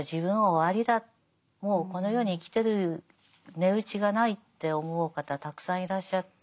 もうこの世に生きてる値打ちがないって思う方たくさんいらっしゃって。